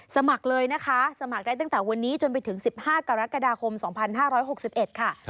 สมัครเลยนะคะสมัครได้ตั้งแต่วันนี้จนไปถึง๑๕กรกฎาคม๒๕๖๑ค่ะ